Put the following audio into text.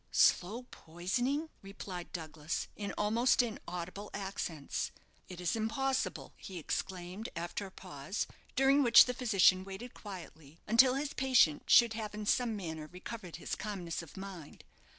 "Slow poisoning!" replied Douglas, in almost inaudible accents. "It is impossible!" he exclaimed, after a pause, during which the physician waited quietly until his patient should have in some manner recovered his calmness of mind.